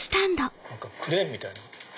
何かクレーンみたいな。